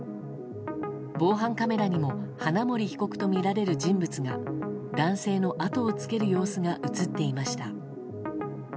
防犯カメラにも花森被告とみられる人物が男性の後をつける様子が映っていました。